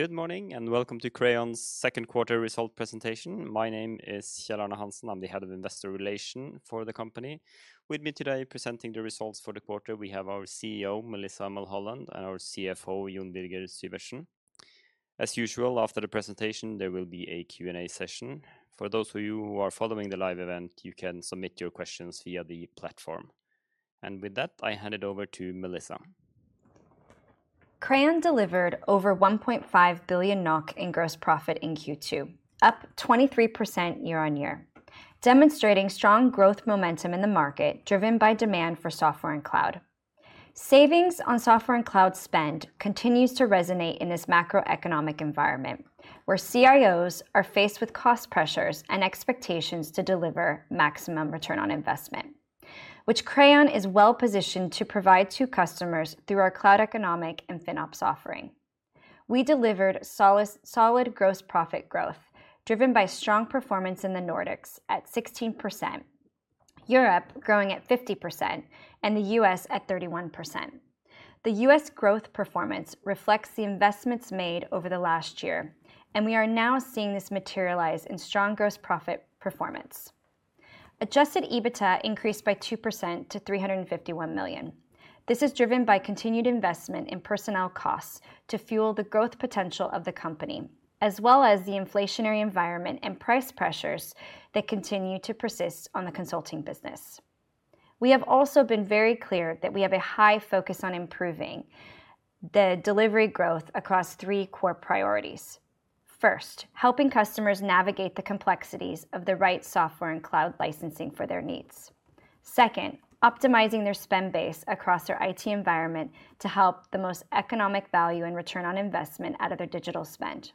Good morning, and welcome to Crayon's second quarter result presentation. My name is Kjell Arne Hansen. I'm the Head of Investor Relations for the company. With me today, presenting the results for the quarter, we have our CEO, Melissa Mulholland, and our CFO, Jon Birger Syvertsen. As usual, after the presentation, there will be a Q&A session. For those of you who are following the live event, you can submit your questions via the platform. With that, I hand it over to Melissa. Crayon delivered over 1.5 billion NOK in gross profit in Q2, up 23% year-on-year, demonstrating strong growth momentum in the market, driven by demand for software and cloud. Savings on software and cloud spend continues to resonate in this macroeconomic environment, where CIOs are faced with cost pressures and expectations to deliver maximum return on investment, which Crayon is well-positioned to provide to customers through our cloud economic and FinOps offering. We delivered solid gross profit growth, driven by strong performance in the Nordics at 16%, Europe growing at 50%, and the US at 31%. The US growth performance reflects the investments made over the last year, and we are now seeing this materialize in strong gross profit performance. Adjusted EBITDA increased by 2% to 351 million. This is driven by continued investment in personnel costs to fuel the growth potential of the company, as well as the inflationary environment and price pressures that continue to persist on the consulting business. We have also been very clear that we have a high focus on improving the delivery growth across three core priorities. First, helping customers navigate the complexities of the right software and cloud licensing for their needs. Second, optimizing their spend base across their IT environment to help the most economic value and return on investment out of their digital spend.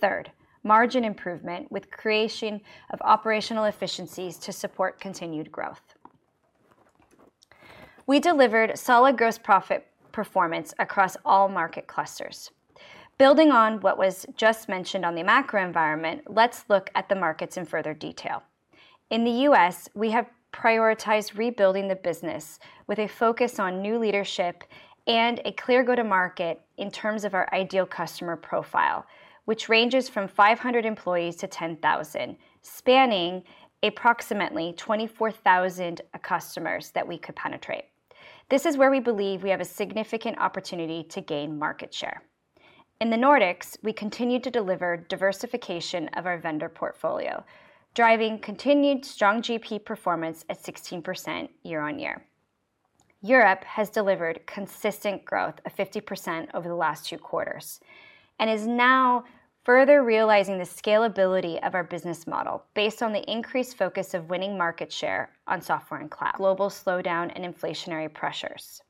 Third, margin improvement with creation of operational efficiencies to support continued growth. We delivered solid gross profit performance across all market clusters. Building on what was just mentioned on the macro environment, let's look at the markets in further detail. In the US, we have prioritized rebuilding the business with a focus on new leadership and a clear go-to-market in terms of our ideal customer profile, which ranges from 500 employees to 10,000, spanning approximately 24,000 customers that we could penetrate. This is where we believe we have a significant opportunity to gain market share. In the Nordics, we continue to deliver diversification of our vendor portfolio, driving continued strong GP performance at 16% year-on-year. Europe has delivered consistent growth of 50% over the last 2 quarters and is now further realizing the scalability of our business model based on the increased focus of winning market share on software and cloud, global slowdown and inflationary pressures.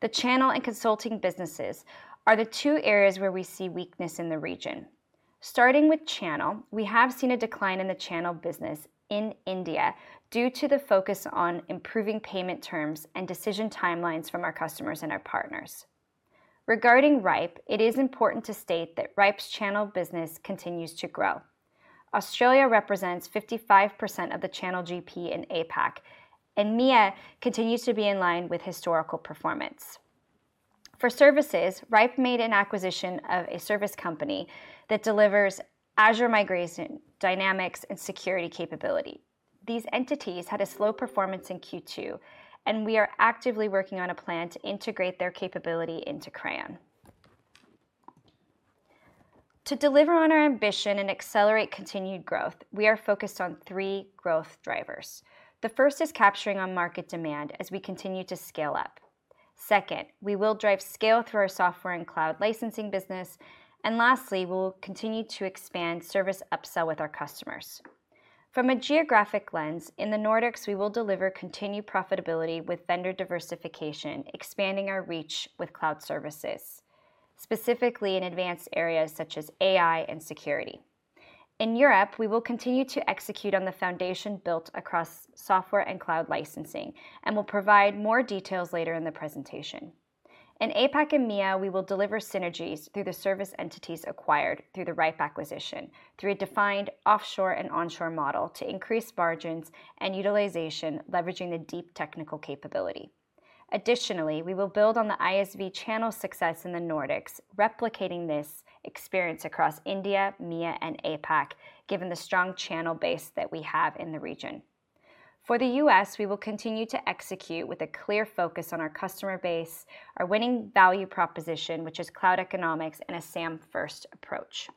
The channel and consulting businesses are the two areas where we see weakness in the region. Starting with channel, we have seen a decline in the channel business in India due to the focus on improving payment terms and decision timelines from our customers and our partners. Regarding Rhipe, it is important to state that Rhipe's channel business continues to grow. Australia represents 55% of the channel GP in APAC, and MEA continues to be in line with historical performance. For services, Rhipe made an acquisition of a service company that delivers Azure migration, dynamics, and security capability. These entities had a slow performance in Q2, and we are actively working on a plan to integrate their capability into Crayon. To deliver on our ambition and accelerate continued growth, we are focused on three growth drivers. The first is capturing on market demand as we continue to scale up. Second, we will drive scale through our software and cloud licensing business. And lastly, we will continue to expand service upsell with our customers. From a geographic lens, in the Nordics, we will deliver continued profitability with vendor diversification, expanding our reach with cloud services, specifically in advanced areas such as AI and security. In Europe, we will continue to execute on the foundation built across software and cloud licensing and will provide more details later in the presentation. In APAC and MEA, we will deliver synergies through the service entities acquired through the Rhipe acquisition, through a defined offshore and onshore model to increase margins and utilization, leveraging the deep technical capability. Additionally, we will build on the ISV channel success in the Nordics, replicating this experience across India, MEA, and APAC, given the strong channel base that we have in the region. For the U.S., we will continue to execute with a clear focus on our customer base, our winning value proposition, which is cloud economics and a SAM-first approach.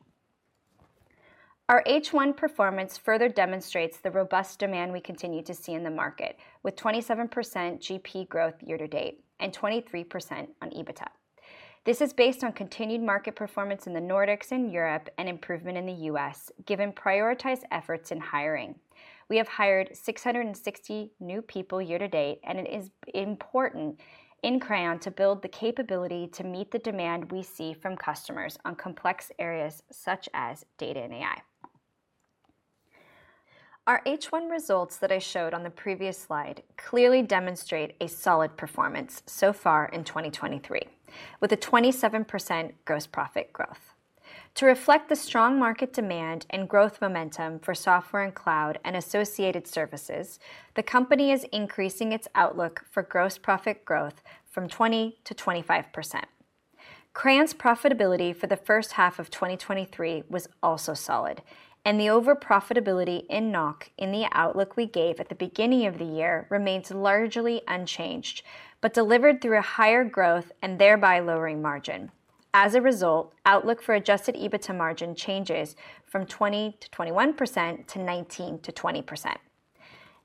Our H1 performance further demonstrates the robust demand we continue to see in the market, with 27% GP growth year to date and 23% on EBITDA. This is based on continued market performance in the Nordics and Europe and improvement in the U.S., given prioritized efforts in hiring. We have hired 660 new people year to date, and it is important in Crayon to build the capability to meet the demand we see from customers on complex areas such as data and AI. Our H1 results that I showed on the previous slide clearly demonstrate a solid performance so far in 2023, with a 27% gross profit growth. To reflect the strong market demand and growth momentum for software and cloud and associated services, the company is increasing its outlook for gross profit growth from 20%-25%. Crayon's profitability for the first half of 2023 was also solid, and the overall profitability in NOK in the outlook we gave at the beginning of the year remains largely unchanged, but delivered through a higher growth and thereby lowering margin. As a result, outlook for Adjusted EBITDA margin changes from 20%-21% to 19%-20%.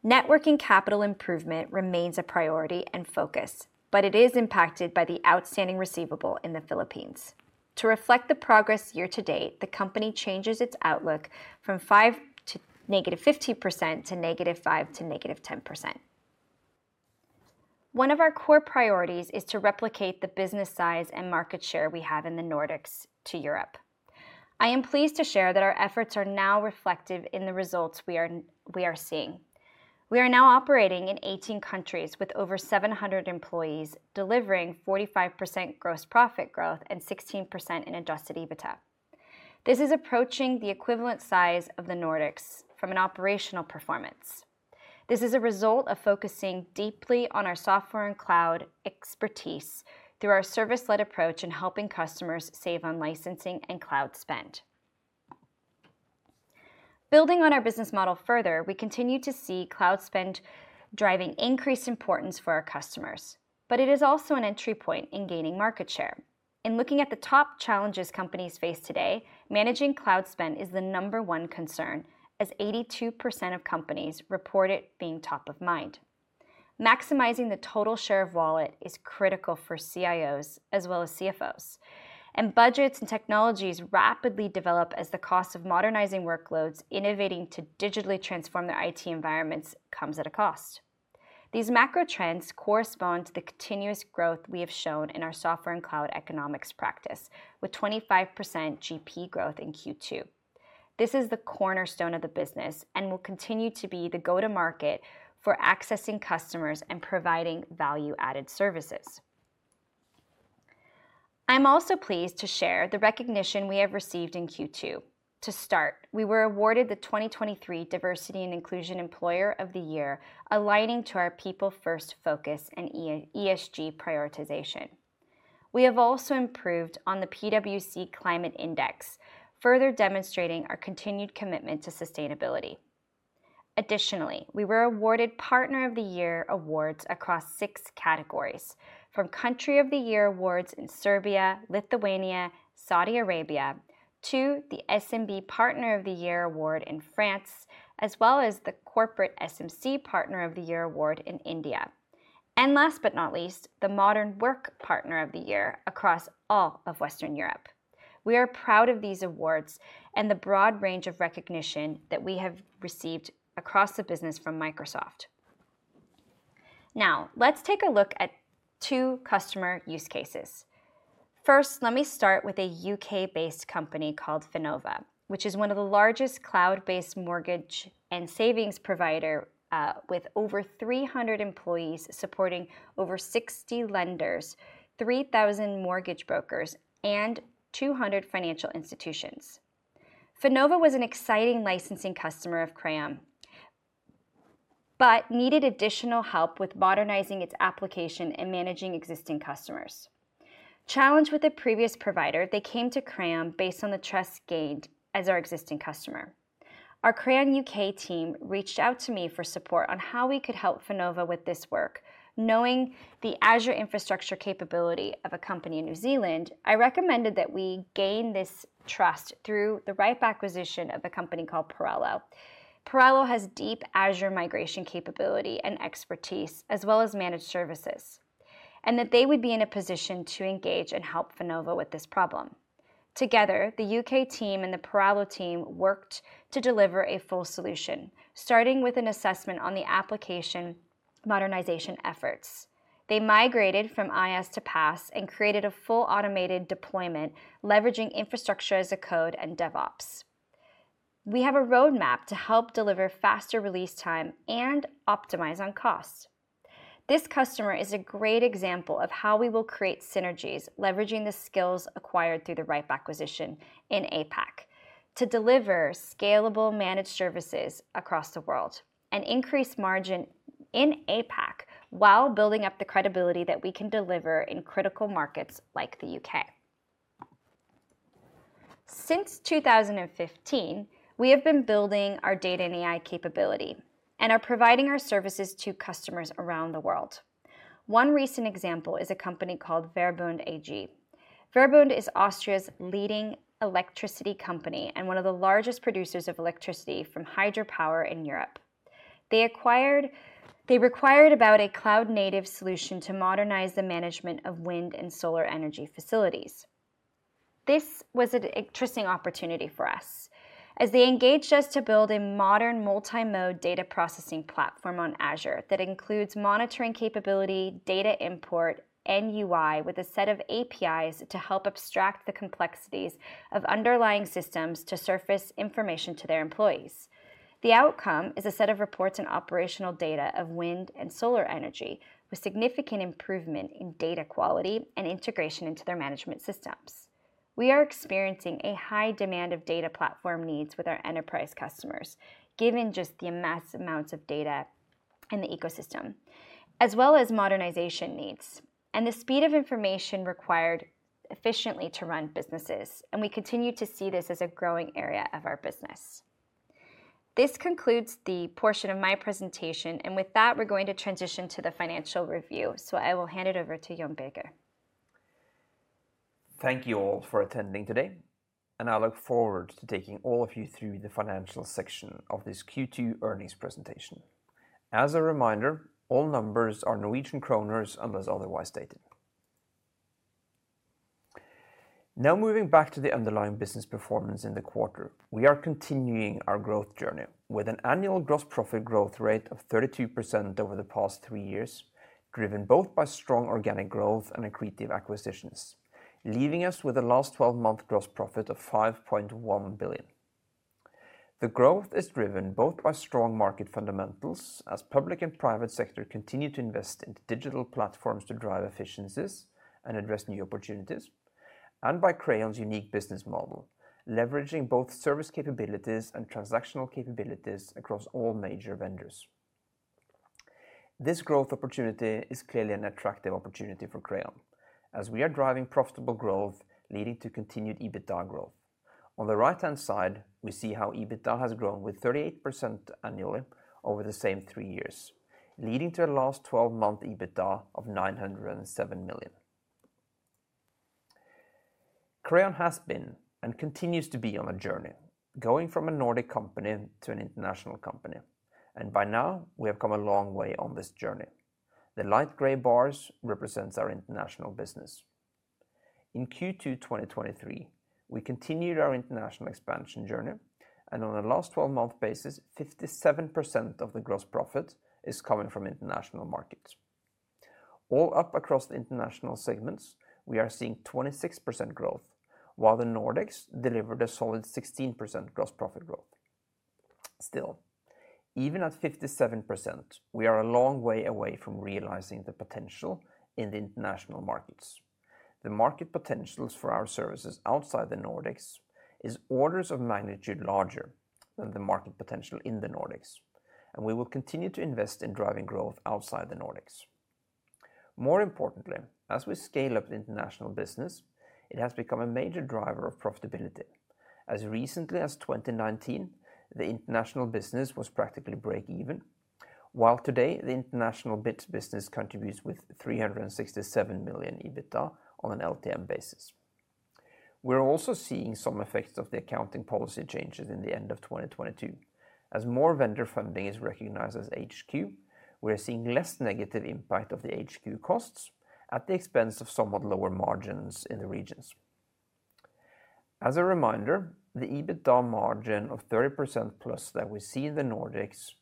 Net working capital improvement remains a priority and focus, but it is impacted by the outstanding receivable in the Philippines. To reflect the progress year to date, the company changes its outlook from 5% to -15% to -5% to -10%. One of our core priorities is to replicate the business size and market share we have in the Nordics to Europe. I am pleased to share that our efforts are now reflective in the results we are seeing. We are now operating in 18 countries with over 700 employees, delivering 45% gross profit growth and 16% in Adjusted EBITDA. This is approaching the equivalent size of the Nordics from an operational performance. This is a result of focusing deeply on our software and cloud expertise through our service-led approach in helping customers save on licensing and cloud spend. Building on our business model further, we continue to see cloud spend driving increased importance for our customers, but it is also an entry point in gaining market share. In looking at the top challenges companies face today, managing cloud spend is the number 1 concern, as 82% of companies report it being top of mind. Maximizing the total share of wallet is critical for CIOs as well as CFOs, and budgets and technologies rapidly develop as the cost of modernizing workloads, innovating to digitally transform their IT environments, comes at a cost. These macro trends correspond to the continuous growth we have shown in our software and cloud economics practice, with 25% GP growth in Q2. This is the cornerstone of the business and will continue to be the go-to-market for accessing customers and providing value-added services. I'm also pleased to share the recognition we have received in Q2. To start, we were awarded the 2023 Diversity and Inclusion Employer of the Year, aligning to our people-first focus and ESG prioritization. We have also improved on the PwC Climate Index, further demonstrating our continued commitment to sustainability. Additionally, we were awarded Partner of the Year awards across 6 categories, from Country of the Year awards in Serbia, Lithuania, Saudi Arabia, to the SMB Partner of the Year Award in France, as well as the Corporate SMC Partner of the Year Award in India, and last but not least, the Modern Work Partner of the Year across all of Western Europe. We are proud of these awards and the broad range of recognition that we have received across the business from Microsoft. Now, let's take a look at two customer use cases. First, let me start with a U.K.-based company called Finova, which is one of the largest cloud-based mortgage and savings provider, with over 300 employees supporting over 60 lenders, 3,000 mortgage brokers, and 200 financial institutions. Finova was an exciting licensing customer of Crayon, but needed additional help with modernizing its application and managing existing customers. Challenged with a previous provider, they came to Crayon based on the trust gained as our existing customer. Our Crayon UK team reached out to me for support on how we could help Finova with this work. Knowing the Azure infrastructure capability of a company in New Zealand, I recommended that we gain this trust through the Rhipe acquisition of a company called Parallo. Parallo has deep Azure migration capability and expertise, as well as managed services, and that they would be in a position to engage and help Finova with this problem. Together, the UK team and the Parallo team worked to deliver a full solution, starting with an assessment on the application modernization efforts. They migrated from IaaS to PaaS and created a full automated deployment, leveraging infrastructure as a code and DevOps. We have a roadmap to help deliver faster release time and optimize on cost. This customer is a great example of how we will create synergies, leveraging the skills acquired through the Rhipe acquisition in APAC to deliver scalable managed services across the world and increase margin in APAC while building up the credibility that we can deliver in critical markets like the U.K. Since 2015, we have been building our data and AI capability and are providing our services to customers around the world. One recent example is a company called VERBUND AG. VERBUND is Austria's leading electricity company and one of the largest producers of electricity from hydropower in Europe. They required a cloud-native solution to modernize the management of wind and solar energy facilities. This was an interesting opportunity for us, as they engaged us to build a modern multi-mode data processing platform on Azure that includes monitoring capability, data import, and UI, with a set of APIs to help abstract the complexities of underlying systems to surface information to their employees. The outcome is a set of reports and operational data of wind and solar energy, with significant improvement in data quality and integration into their management system. We are experiencing a high demand of data platform needs with our enterprise customers, given just the immense amounts of data in the ecosystem, as well as modernization needs, and the speed of information required efficiently to run businesses, and we continue to see this as a growing area of our business. This concludes the portion of my presentation, and with that, we're going to transition to the financial review. I will hand it over to Jon Birger. Thank you all for attending today, and I look forward to taking all of you through the financial section of this Q2 earnings presentation. As a reminder, all numbers are Norwegian kroners, unless otherwise stated. Now, moving back to the underlying business performance in the quarter. We are continuing our growth journey with an annual gross profit growth rate of 32% over the past three years, driven both by strong organic growth and accretive acquisitions, leaving us with a last twelve-month gross profit of 5.1 billion. The growth is driven both by strong market fundamentals, as public and private sector continue to invest in digital platforms to drive efficiencies and address new opportunities, and by Crayon's unique business model, leveraging both service capabilities and transactional capabilities across all major vendors. This growth opportunity is clearly an attractive opportunity for Crayon, as we are driving profitable growth, leading to continued EBITDA growth. On the right-hand side, we see how EBITDA has grown with 38% annually over the same 3 years, leading to a last twelve-month EBITDA of 907 million. Crayon has been, and continues to be on a journey, going from a Nordic company to an international company, and by now, we have come a long way on this journey. The light gray bars represents our international business. In Q2 2023, we continued our international expansion journey, and on a last twelve-month basis, 57% of the gross profit is coming from international markets. All up across the international segments, we are seeing 26% growth, while the Nordics delivered a solid 16% gross profit growth. Still, even at 57%, we are a long way away from realizing the potential in the international markets. The market potentials for our services outside the Nordics is orders of magnitude larger than the market potential in the Nordics, and we will continue to invest in driving growth outside the Nordics. More importantly, as we scale up the international business, it has become a major driver of profitability. As recently as 2019, the international business was practically break even, while today, the international bits business contributes with 367 million EBITDA on an LTM basis. We're also seeing some effects of the accounting policy changes in the end of 2022. As more vendor funding is recognized as HQ, we are seeing less negative impact of the HQ costs at the expense of somewhat lower margins in the regions. As a reminder, the EBITDA margin of 30% plus that we see in the Nordics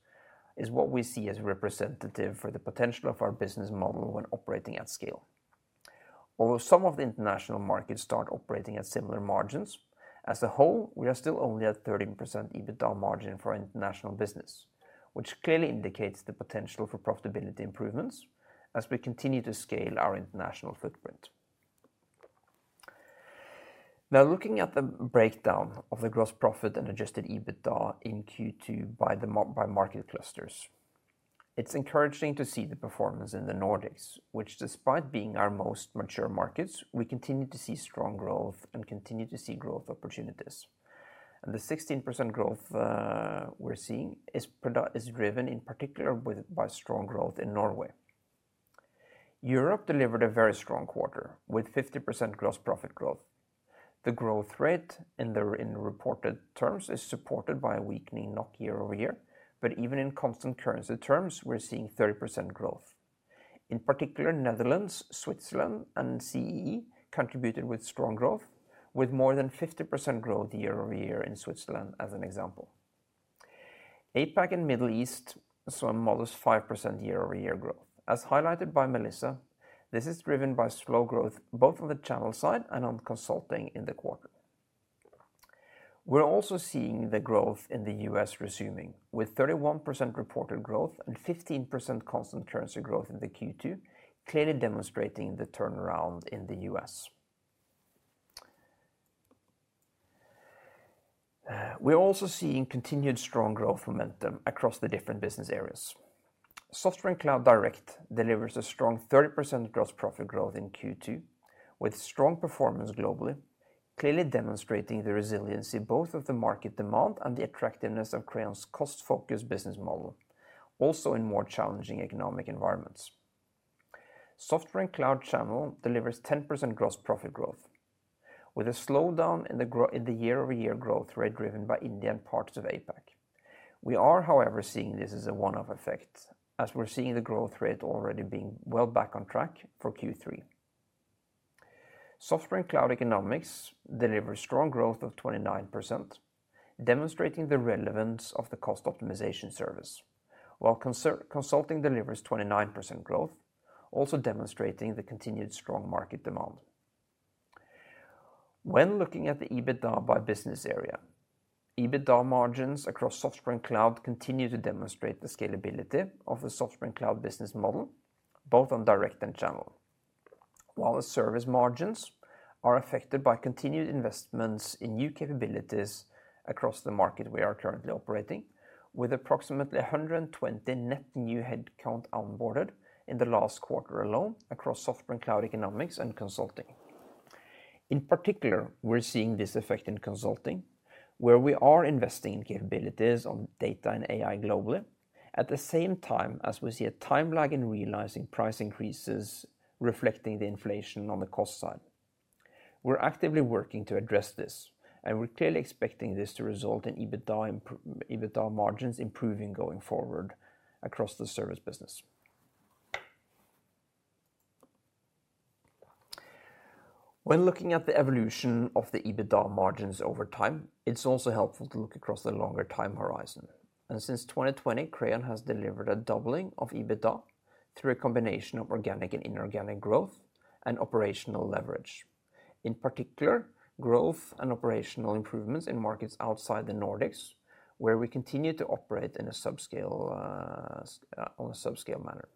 is what we see as representative for the potential of our business model when operating at scale. Although some of the international markets start operating at similar margins, as a whole, we are still only at 13% EBITDA margin for our international business, which clearly indicates the potential for profitability improvements as we continue to scale our international footprint. Now, looking at the breakdown of the gross profit and adjusted EBITDA in Q2 by market clusters. It's encouraging to see the performance in the Nordics, which, despite being our most mature markets, we continue to see strong growth and continue to see growth opportunities. And the 16% growth we're seeing is driven in particular by strong growth in Norway. Europe delivered a very strong quarter with 50% gross profit growth. The growth rate in reported terms is supported by a weakening NOK year-over-year, but even in constant currency terms, we're seeing 30% growth. In particular, Netherlands, Switzerland, and CEE contributed with strong growth, with more than 50% growth year-over-year in Switzerland, as an example. APAC and Middle East saw a modest 5% year-over-year growth. As highlighted by Melissa, this is driven by slow growth, both on the channel side and on consulting in the quarter. We're also seeing the growth in the US resuming, with 31% reported growth and 15% constant currency growth in the Q2, clearly demonstrating the turnaround in the US. We're also seeing continued strong growth momentum across the different business areas. Software and Cloud Direct delivers a strong 30% gross profit growth in Q2, with strong performance globally, clearly demonstrating the resiliency both of the market demand and the attractiveness of Crayon's cost-focused business model, also in more challenging economic environments. Software and Cloud Channel delivers 10% gross profit growth, with a slowdown in the growth in the year-over-year growth rate driven by India and parts of APAC. We are, however, seeing this as a one-off effect, as we're seeing the growth rate already being well back on track for Q3. Software and Cloud Economics delivers strong growth of 29%, demonstrating the relevance of the cost optimization service, while consulting delivers 29% growth, also demonstrating the continued strong market demand. When looking at the EBITDA by business area... EBITDA margins across Software and Cloud continue to demonstrate the scalability of the Software and Cloud business model, both on direct and channel. While the service margins are affected by continued investments in new capabilities across the market we are currently operating, with approximately 120 net new headcount onboarded in the last quarter alone across Software and Cloud Economics and Consulting. In particular, we're seeing this effect in consulting, where we are investing in capabilities on data and AI globally. At the same time, as we see a time lag in realizing price increases, reflecting the inflation on the cost side. We're actively working to address this, and we're clearly expecting this to result in EBITDA margins improving going forward across the service business. When looking at the evolution of the EBITDA margins over time, it's also helpful to look across the longer time horizon. Since 2020, Crayon has delivered a doubling of EBITDA through a combination of organic and inorganic growth and operational leverage. In particular, growth and operational improvements in markets outside the Nordics, where we continue to operate in a subscale manner.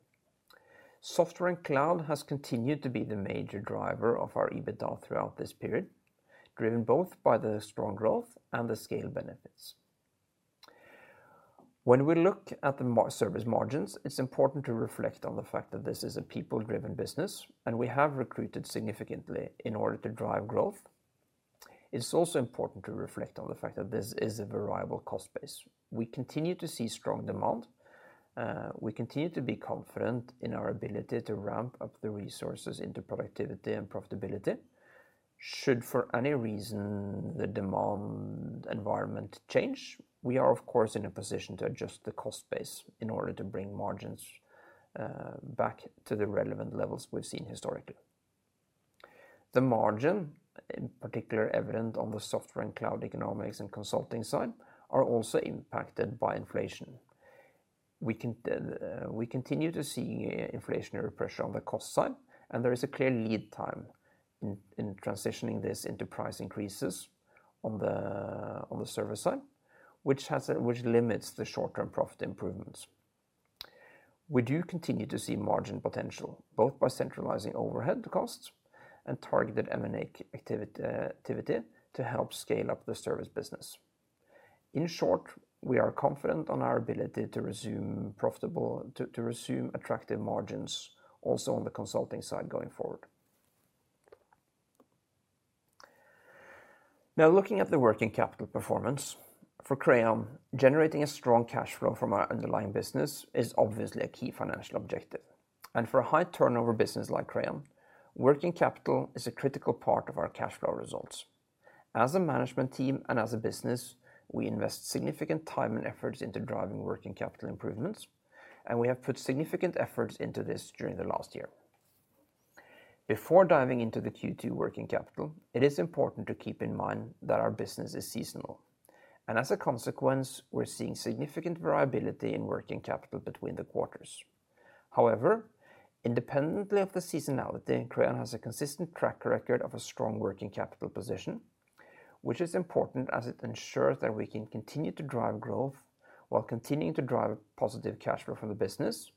Software and Cloud has continued to be the major driver of our EBITDA throughout this period, driven both by the strong growth and the scale benefits. When we look at the service margins, it's important to reflect on the fact that this is a people-driven business, and we have recruited significantly in order to drive growth. It's also important to reflect on the fact that this is a variable cost base. We continue to see strong demand. We continue to be confident in our ability to ramp up the resources into productivity and profitability. Should, for any reason, the demand environment change, we are, of course, in a position to adjust the cost base in order to bring margins back to the relevant levels we've seen historically. The margin, in particular, evident on the Software and Cloud Economics and Consulting side, are also impacted by inflation. We continue to see inflationary pressure on the cost side, and there is a clear lead time in transitioning this into price increases on the service side, which limits the short-term profit improvements. We do continue to see margin potential, both by centralizing overhead costs and targeted M&A activity to help scale up the service business. In short, we are confident on our ability to resume profitable... to resume attractive margins, also on the consulting side going forward. Now, looking at the working capital performance. For Crayon, generating a strong cash flow from our underlying business is obviously a key financial objective, and for a high turnover business like Crayon, working capital is a critical part of our cash flow results. As a management team and as a business, we invest significant time and efforts into driving working capital improvements, and we have put significant efforts into this during the last year. Before diving into the Q2 working capital, it is important to keep in mind that our business is seasonal, and as a consequence, we're seeing significant variability in working capital between the quarters. However, independently of the seasonality, Crayon has a consistent track record of a strong working capital position, which is important as it ensures that we can continue to drive growth while continuing to drive positive cash flow from the business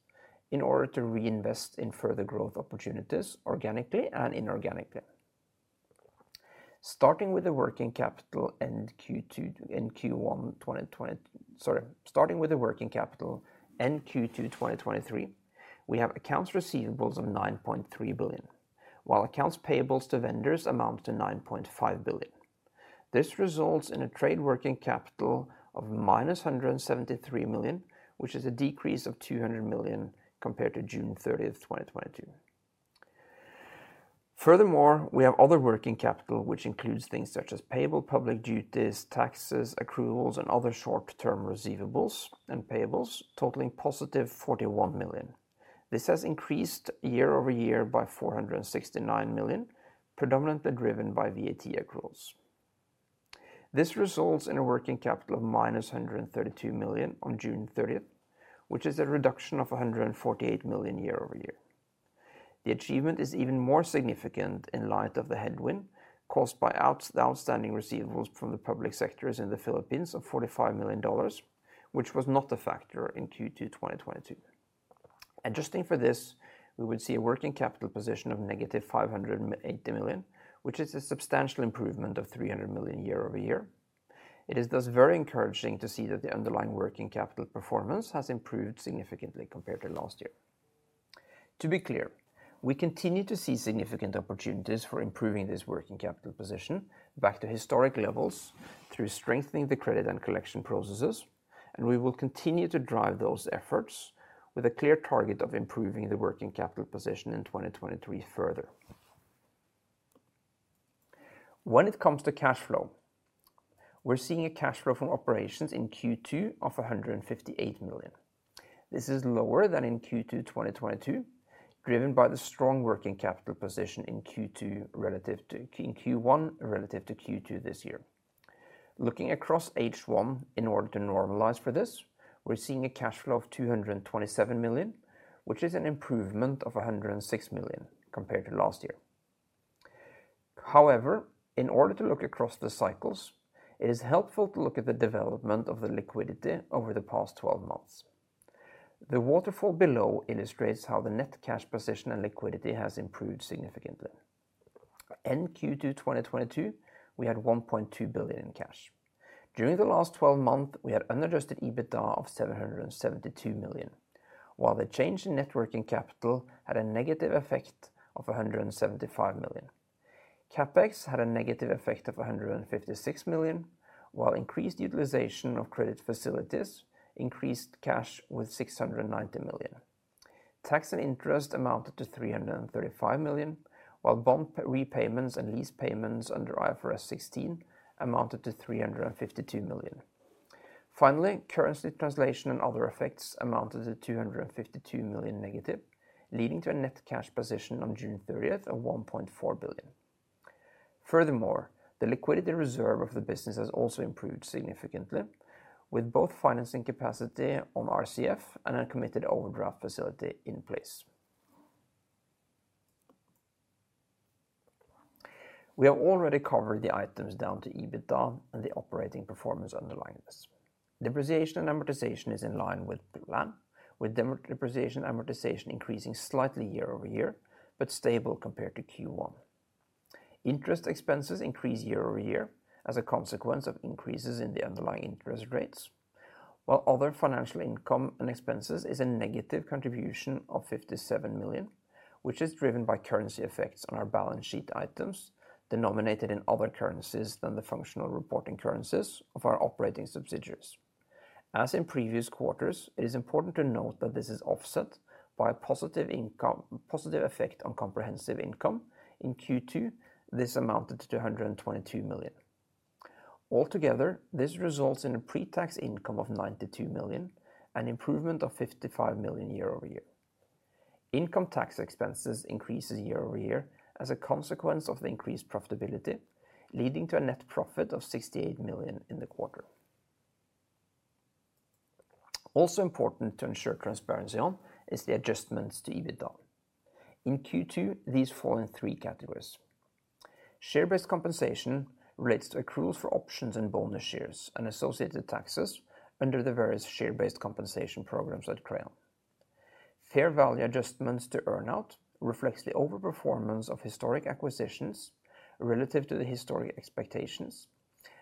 in order to reinvest in further growth opportunities, organically and inorganically. Starting with the working capital, end Q2 2023, we have accounts receivables of 9.3 billion, while accounts payables to vendors amount to 9.5 billion. This results in a trade working capital of -173 million, which is a decrease of 200 million compared to June 30, 2022. Furthermore, we have other working capital, which includes things such as payable public duties, taxes, accruals, and other short-term receivables and payables, totaling 41 million. This has increased year-over-year by 469 million, predominantly driven by VAT accruals. This results in a working capital of -132 million on June thirtieth, which is a reduction of 148 million year-over-year. The achievement is even more significant in light of the headwind caused by the outstanding receivables from the public sectors in the Philippines of $45 million, which was not a factor in Q2 2022. Adjusting for this, we would see a working capital position of -580 million, which is a substantial improvement of 300 million year-over-year. It is, thus, very encouraging to see that the underlying working capital performance has improved significantly compared to last year. To be clear, we continue to see significant opportunities for improving this working capital position back to historic levels through strengthening the credit and collection processes, and we will continue to drive those efforts with a clear target of improving the working capital position in 2023 further. When it comes to cash flow, we're seeing a cash flow from operations in Q2 of 158 million. This is lower than in Q2 2022, driven by the strong working capital position in Q2 relative to in Q1 relative to Q2 this year. Looking across H1 in order to normalize for this, we're seeing a cash flow of 227 million, which is an improvement of 106 million compared to last year. However, in order to look across the cycles, it is helpful to look at the development of the liquidity over the past 12 months. The waterfall below illustrates how the net cash position and liquidity has improved significantly. End Q2 2022, we had 1.2 billion in cash. During the last 12 months, we had unadjusted EBITDA of 772 million, while the change in net working capital had a negative effect of 175 million. CapEx had a negative effect of 156 million, while increased utilization of credit facilities increased cash with 690 million. Tax and interest amounted to 335 million, while bond repayments and lease payments under IFRS 16 amounted to 352 million. Finally, currency translation and other effects amounted to -252 million, leading to a net cash position on June 30 of 1.4 billion. Furthermore, the liquidity reserve of the business has also improved significantly, with both financing capacity on RCF and a committed overdraft facility in place. We have already covered the items down to EBITDA and the operating performance underlying this. Depreciation and amortization is in line with the plan, with depreciation and amortization increasing slightly year-over-year, but stable compared to Q1. Interest expenses increase year-over-year as a consequence of increases in the underlying interest rates, while other financial income and expenses is a negative contribution of 57 million, which is driven by currency effects on our balance sheet items denominated in other currencies than the functional reporting currencies of our operating subsidiaries. As in previous quarters, it is important to note that this is offset by a positive income, positive effect on comprehensive income. In Q2, this amounted to 222 million. Altogether, this results in a pre-tax income of 92 million, an improvement of 55 million year-over-year. Income tax expenses increases year-over-year as a consequence of the increased profitability, leading to a net profit of 68 million in the quarter. Also important to ensure transparency on is the adjustments to EBITDA. In Q2, these fall in three categories. Share-based compensation relates to accruals for options and bonus shares and associated taxes under the various share-based compensation programs at Crayon. Fair value adjustments to earn-out reflects the overperformance of historic acquisitions relative to the historic expectations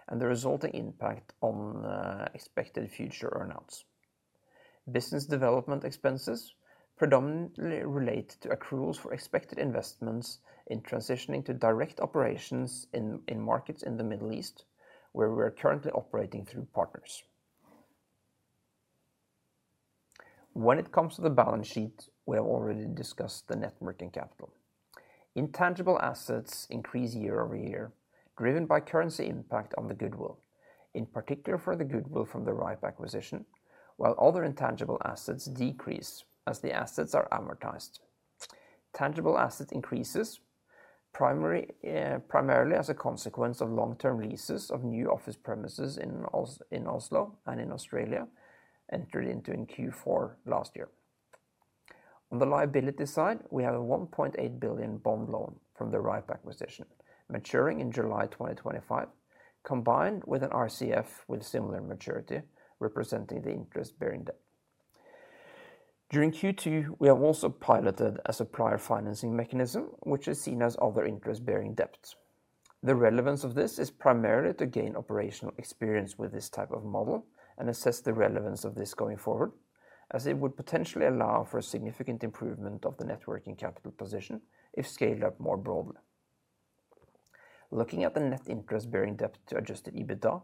and the resulting impact on expected future earn-outs. Business development expenses predominantly relate to accruals for expected investments in transitioning to direct operations in markets in the Middle East, where we are currently operating through partners. When it comes to the balance sheet, we have already discussed the net working capital. Intangible assets increase year-over-year, driven by currency impact on the goodwill, in particular for the goodwill from the Rhipe acquisition, while other intangible assets decrease as the assets are amortized. Tangible asset increases primarily as a consequence of long-term leases of new office premises in Oslo and in Australia, entered into in Q4 last year. On the liability side, we have a 1.8 billion bond loan from the Rhipe acquisition, maturing in July 2025, combined with an RCF with similar maturity, representing the interest-bearing debt. During Q2, we have also piloted a supplier financing mechanism, which is seen as other interest-bearing debt. The relevance of this is primarily to gain operational experience with this type of model and assess the relevance of this going forward, as it would potentially allow for a significant improvement of the net working capital position if scaled up more broadly. Looking at the net interest-bearing debt to Adjusted EBITDA,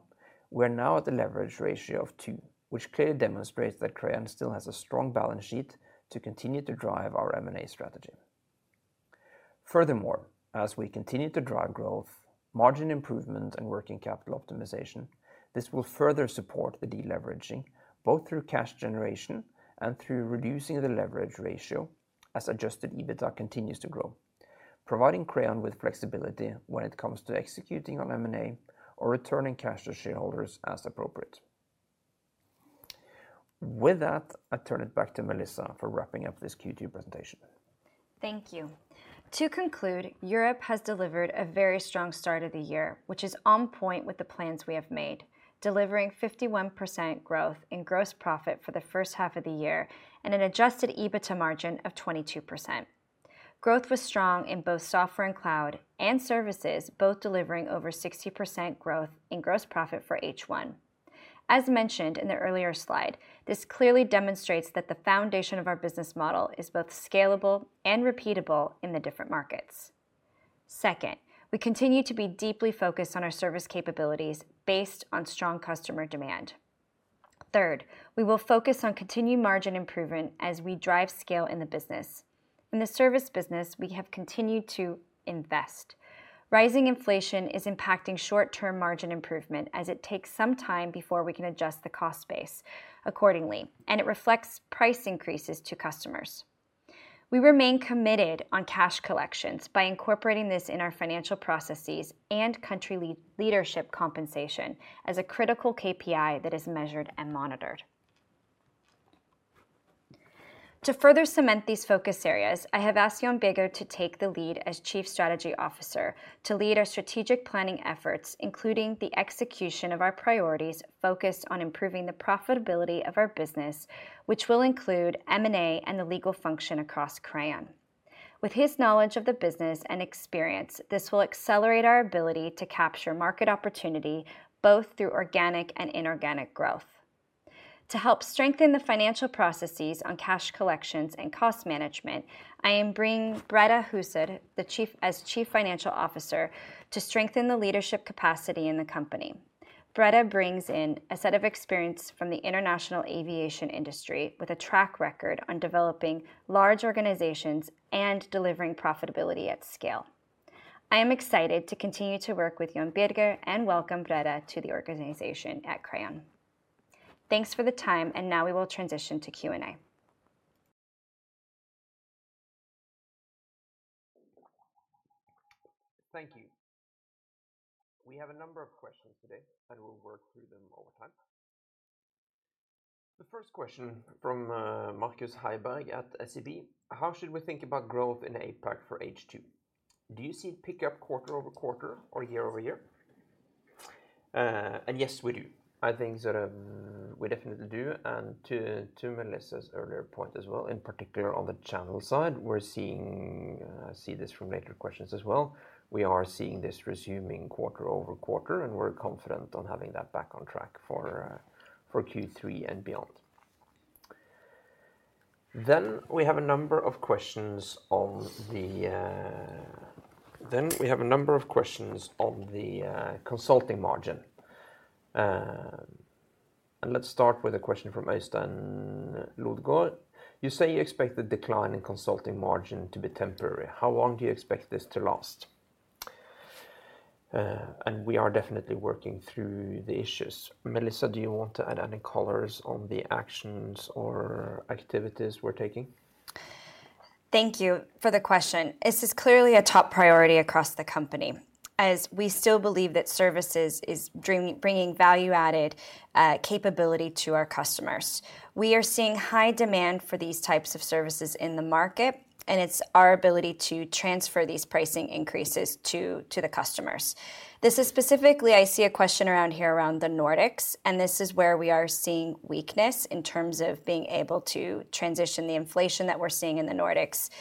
we are now at a leverage ratio of two, which clearly demonstrates that Crayon still has a strong balance sheet to continue to drive our M&A strategy. Furthermore, as we continue to drive growth, margin improvement, and working capital optimization, this will further support the deleveraging, both through cash generation and through reducing the leverage ratio as Adjusted EBITDA continues to grow, providing Crayon with flexibility when it comes to executing on M&A or returning cash to shareholders as appropriate. With that, I turn it back to Melissa for wrapping up this Q2 presentation. Thank you. To conclude, Europe has delivered a very strong start of the year, which is on point with the plans we have made, delivering 51% growth in gross profit for the first half of the year and an Adjusted EBITDA margin of 22%. Growth was strong in both software and cloud and services, both delivering over 60% growth in gross profit for H1. As mentioned in the earlier slide, this clearly demonstrates that the foundation of our business model is both scalable and repeatable in the different markets. Second, we continue to be deeply focused on our service capabilities based on strong customer demand. Third, we will focus on continued margin improvement as we drive scale in the business. In the service business, we have continued to invest. Rising inflation is impacting short-term margin improvement, as it takes some time before we can adjust the cost base accordingly, and it reflects price increases to customers. We remain committed on cash collections by incorporating this in our financial processes and country leadership compensation as a critical KPI that is measured and monitored. To further cement these focus areas, I have asked Jon Birger to take the lead as Chief Strategy Officer to lead our strategic planning efforts, including the execution of our priorities focused on improving the profitability of our business, which will include M&A and the legal function across Crayon. With his knowledge of the business and experience, this will accelerate our ability to capture market opportunity, both through organic and inorganic growth. To help strengthen the financial processes on cash collections and cost management, I am bringing Brede Huser, as Chief Financial Officer, to strengthen the leadership capacity in the company. Brede brings in a set of experience from the international aviation industry, with a track record on developing large organizations and delivering profitability at scale. I am excited to continue to work with Jon Birger, and welcome Brede to the organization at Crayon. Thanks for the time, and now we will transition to Q&A. Thank you. We have a number of questions today, and we'll work through them over time. The first question from Marcus Heiberg at SEB: How should we think about growth in APAC for H2? Do you see it pick up quarter-over-quarter or year-over-year? And yes, we do. I think sort of we definitely do, and to Melissa's earlier point as well, in particular on the channel side, we're seeing. I see this from later questions as well. We are seeing this resuming quarter-over-quarter, and we're confident on having that back on track for Q3 and beyond. Then, we have a number of questions on the consulting margin. Let's start with a question from Øystein Lodgaard: You say you expect the decline in consulting margin to be temporary. How long do you expect this to last? We are definitely working through the issues. Melissa, do you want to add any colors on the actions or activities we're taking? Thank you for the question. This is clearly a top priority across the company, as we still believe that services is bringing value-added capability to our customers. We are seeing high demand for these types of services in the market, and it's our ability to transfer these pricing increases to the customers. This is specifically, I see a question around here around the Nordics, and this is where we are seeing weakness in terms of being able to transition the inflation that we're seeing in the Nordics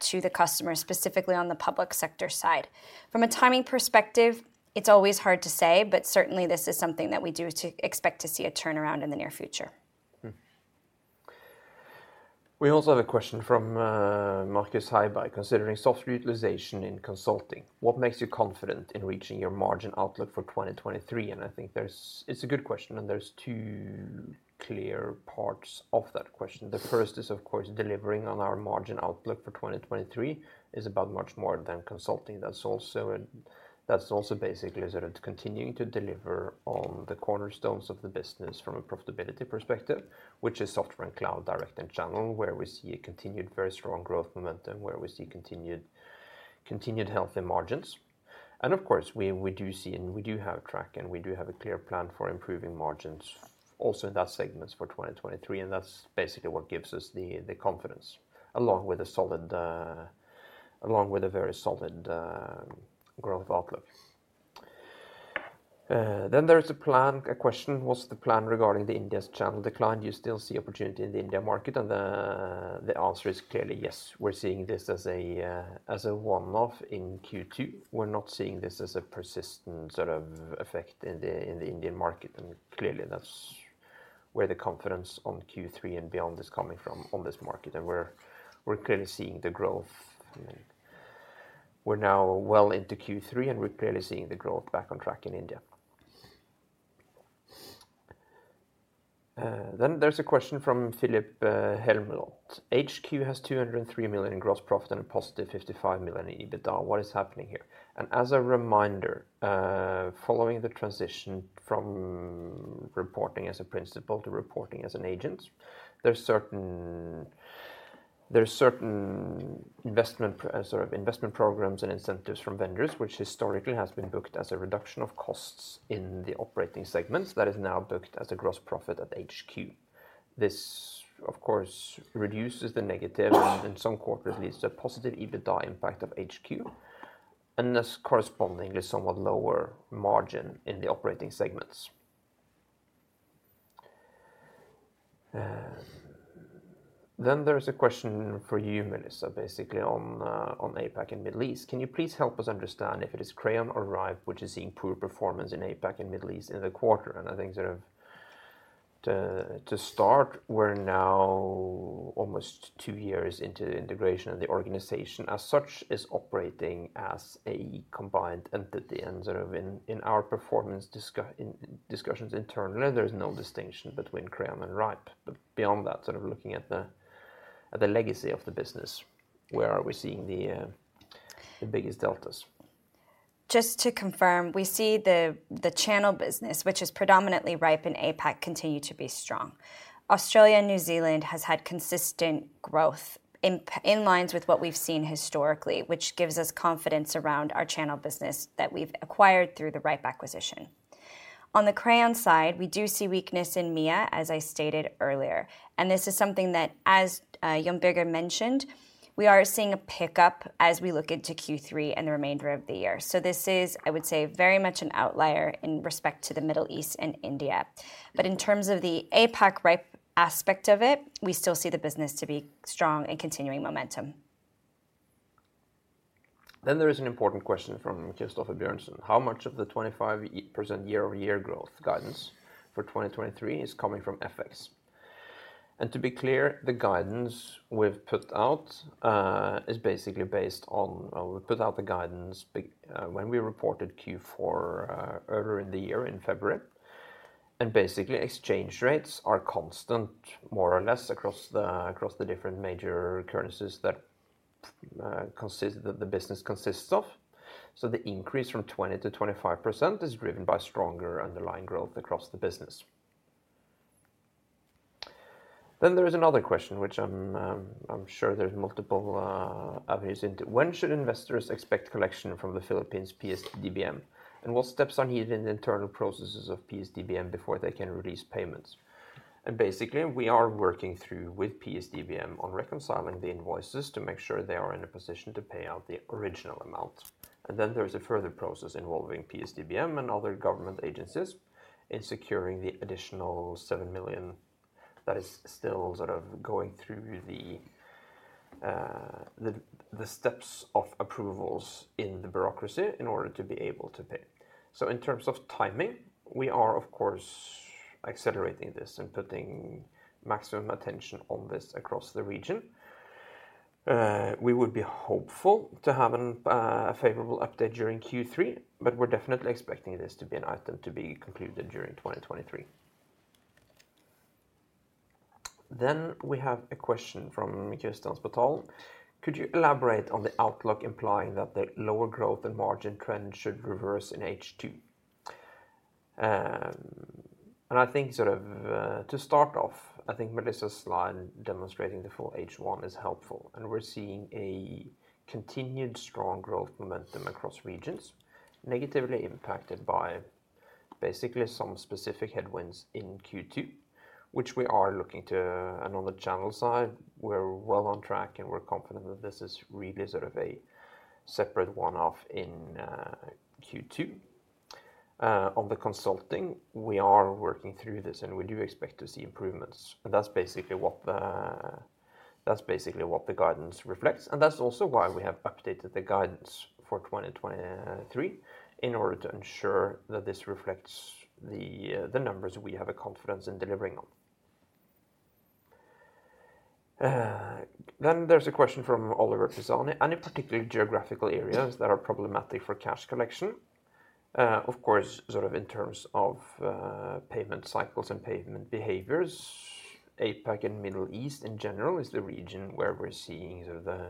to the customers, specifically on the public sector side. From a timing perspective, it's always hard to say, but certainly, this is something that we do expect to see a turnaround in the near future. We also have a question from Marcus Heiberg: Considering software utilization in consulting, what makes you confident in reaching your margin outlook for 2023? And I think there's... It's a good question, and there's two clear parts of that question. The first is, of course, delivering on our margin outlook for 2023 is about much more than consulting. That's also, that's also basically sort of continuing to deliver on the cornerstones of the business from a profitability perspective, which is software and cloud, direct and channel, where we see a continued very strong growth momentum, where we see continued, continued healthy margins. And of course, we do see and we do have a track, and we do have a clear plan for improving margins also in that segment for 2023, and that's basically what gives us the confidence, along with a solid, along with a very solid growth outlook. Then there is a plan, a question: What's the plan regarding the India's channel decline? Do you still see opportunity in the India market? And the answer is clearly yes. We're seeing this as a as a one-off in Q2. We're not seeing this as a persistent sort of effect in the in the Indian market, and clearly, that's where the confidence on Q3 and beyond is coming from on this market. And we're clearly seeing the growth. We're now well into Q3, and we're clearly seeing the growth back on track in India. Then there's a question from Philip Helmeland: HQ has 203 million in gross profit and a positive 55 million in EBITDA. What is happening here? And as a reminder, following the transition from reporting as a principal to reporting as an agent, there's certain investment sort of investment programs and incentives from vendors, which historically has been booked as a reduction of costs in the operating segments, that is now booked as a gross profit at HQ. This, of course, reduces the negative and in some quarter releases a positive EBITDA impact of HQ, and this correspondingly is somewhat lower margin in the operating segments. Then there's a question for you, Melissa, basically on APAC and Middle East: Can you please help us understand if it is Crayon or Rhipe which is seeing poor performance in APAC and Middle East in the quarter? And I think sort of to start, we're now almost two years into the integration, and the organization as such is operating as a combined entity. And sort of in our performance discussions internally, there is no distinction between Crayon and Rhipe. But beyond that, sort of looking at the legacy of the business, where are we seeing the biggest deltas? Just to confirm, we see the channel business, which is predominantly Rhipe and APAC, continue to be strong. Australia and New Zealand has had consistent growth in lines with what we've seen historically, which gives us confidence around our channel business that we've acquired through the Rhipe acquisition. On the Crayon side, we do see weakness in MEA, as I stated earlier, and this is something that, as Jon Birger mentioned, we are seeing a pickup as we look into Q3 and the remainder of the year. So this is, I would say, very much an outlier in respect to the Middle East and India. But in terms of the APAC Rhipe aspect of it, we still see the business to be strong and continuing momentum. Then there is an important question from Kristoffer Bjørnsen: "How much of the 25% year-over-year growth guidance for 2023 is coming from FX?" And to be clear, the guidance we've put out is basically based on... We put out the guidance when we reported Q4 earlier in the year, in February, and basically, exchange rates are constant, more or less, across the different major currencies that the business consists of. So the increase from 20%-25% is driven by stronger underlying growth across the business. Then there is another question, which I'm, I'm sure there's multiple avenues into: "When should investors expect collection from the Philippines PS-DBM, and what steps are needed in the internal processes of PS-DBM before they can release payments?" And basically, we are working through with PS-DBM on reconciling the invoices to make sure they are in a position to pay out the original amount. And then there is a further process involving PS-DBM and other government agencies in securing the additional 7 million that is still sort of going through the steps of approvals in the bureaucracy in order to be able to pay. So in terms of timing, we are of course, accelerating this and putting maximum attention on this across the region. We would be hopeful to have a favorable update during Q3, but we're definitely expecting this to be an item to be concluded during 2023. Then we have a question from Kristian Spetalenl: "Could you elaborate on the outlook implying that the lower growth and margin trend should reverse in H2?" And I think, sort of, to start off, I think Melissa's slide demonstrating the full H1 is helpful, and we're seeing a continued strong growth momentum across regions, negatively impacted by basically some specific headwinds in Q2, which we are looking to... And on the channel side, we're well on track, and we're confident that this is really sort of a separate one-off in Q2. On the consulting, we are working through this, and we do expect to see improvements, and that's basically what the, that's basically what the guidance reflects, and that's also why we have updated the guidance for 2023, in order to ensure that this reflects the, the numbers we have a confidence in delivering on. Then there's a question from Oliver Pisani: "Any particular geographical areas that are problematic for cash collection?" Of course, sort of in terms of, payment cycles and payment behaviors, APAC and Middle East in general is the region where we're seeing sort of the,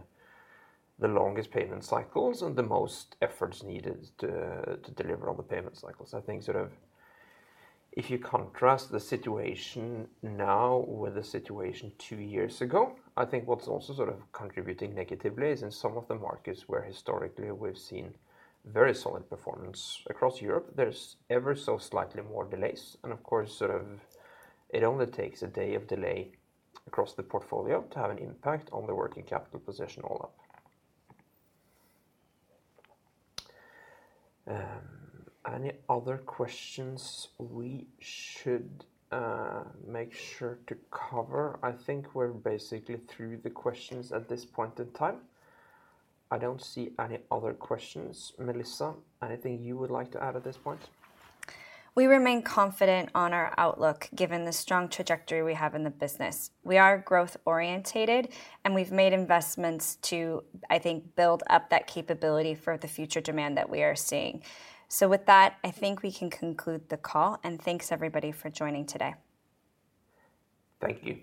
the longest payment cycles and the most efforts needed to, to deliver on the payment cycles. I think sort of if you contrast the situation now with the situation two years ago, I think what's also sort of contributing negatively is in some of the markets where historically we've seen very solid performance. Across Europe, there's ever so slightly more delays, and of course, sort of it only takes a day of delay across the portfolio to have an impact on the working capital position all up. Any other questions we should make sure to cover? I think we're basically through the questions at this point in time. I don't see any other questions. Melissa, anything you would like to add at this point? We remain confident on our outlook, given the strong trajectory we have in the business. We are growth-oriented, and we've made investments to, I think, build up that capability for the future demand that we are seeing. With that, I think we can conclude the call, and thanks, everybody, for joining today. Thank you.